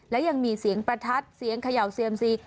และยังมีเสียงประทัดเสียงเขย่าเซียมซี